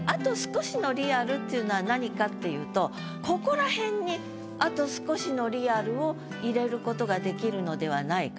でっていうのは何かっていうとここらへんにあと少しのリアルを入れる事ができるのではないかと。